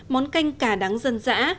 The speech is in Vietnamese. món canh cà đắng dân dã